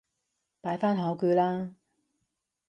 擺返好佢啦